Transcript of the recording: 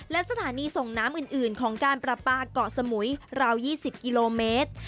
และสถานีส่งน้ำอื่นของการปราปาเกาะสมุยราว๒๐กิโลเมตร